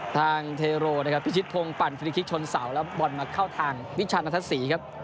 ทางเทโรนะครับพิชิตพงศ์ปั่นฟิลิคิกชนเสาแล้วบอลมาเข้าทางวิชาณฑศรีครับ